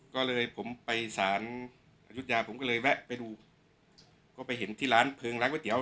ก็เลยผมไปสารอายุทยาผมก็เลยแวะไปดูก็ไปเห็นที่ร้านเพลิงร้านก๋วเตี๋ย